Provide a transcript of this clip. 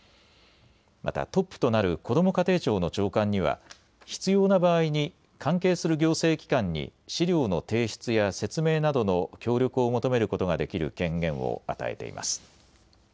またトップとなるこども家庭庁の長官には必要な場合に関係する行政機関に資料の提出や説明などの協力を求めることができる権限を与えています。